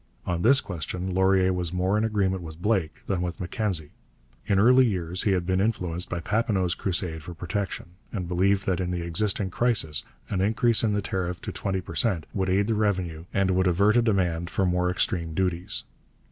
On this question Laurier was more in agreement with Blake than with Mackenzie. In early years he had been influenced by Papineau's crusade for protection, and believed that in the existing crisis an increase in the tariff to twenty per cent would aid the revenue and would avert a demand for more extreme duties.